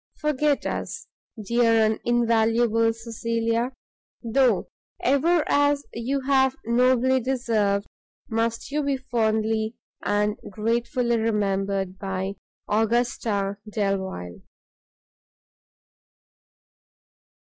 forget us, dear and invaluable Cecilia! though, ever, as you have nobly deserved, must you be fondly and gratefully remembered by AUGUSTA DELVILE.